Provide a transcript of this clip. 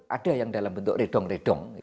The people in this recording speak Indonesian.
ada yang dalam bentuk redong redong